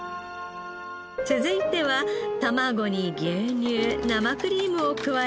続いてはたまごに牛乳生クリームを加えます。